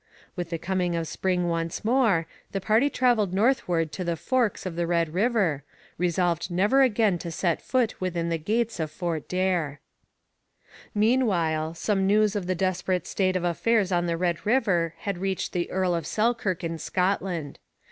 With the coming of spring once more, the party travelled northward to 'the Forks' of the Red River, resolved never again to set foot within the gates of Fort Daer. Meanwhile, some news of the desperate state of affairs on the Red River had reached the Earl of Selkirk in Scotland.